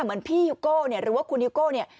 เหมือนพี่ฮิวโก้เนี่ยหรือว่าคุณฮิวโก้เนี่ย